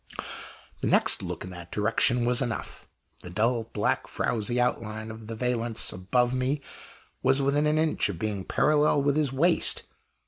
The next look in that direction was enough. The dull, black, frowzy outline of the valance above me was within an inch of being parallel with his waist.